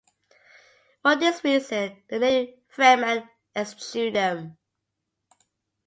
For this reason, the native Fremen eschew them.